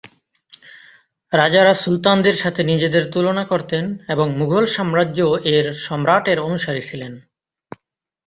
রাজারা সুলতানদের সাথে নিজেদের তুলনা করতেন এবং মুঘল সাম্রাজ্য এর সম্রাটের অনুসারী ছিলেন।